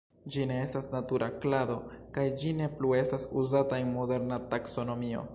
Ĝi ne estas natura klado kaj ĝi ne plu estas uzata en moderna taksonomio.